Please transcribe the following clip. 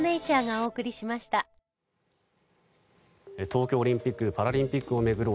東京オリンピック・パラリンピックを巡る